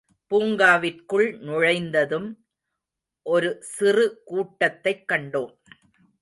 பூங்காவிற்குள் நுழைந்ததும், ஒரு சிறு கூட்டத்தைக் கண்டோம்.